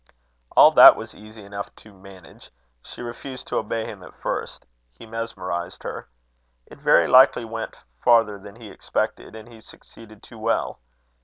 "All that was easy enough to manage. She refused to obey him at first. He mesmerized her. It very likely went farther than he expected; and he succeeded too well.